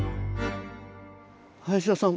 林田さん。